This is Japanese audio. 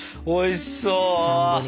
おいしそう！